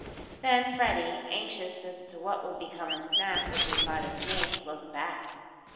Then Freddie, anxious as to what would become of Snap if he fought a snake, looked back.